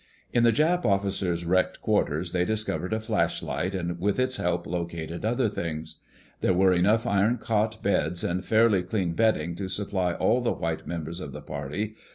In the Jap officers' wrecked quarters they discovered a flashlight, and with its help located other things. There were enough iron cot beds and fairly clean bedding to supply all the white members of the party.